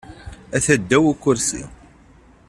Ata ddaw ukursi.